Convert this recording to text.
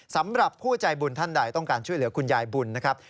สำหรับผู้ใจบุญท่านใดต้องการช่วยเหลือคุณยายบุญนะครับ